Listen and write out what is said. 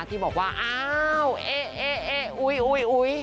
ที่บอกว่าเอ๊วเอ๊วเอ๊วอุ๊ย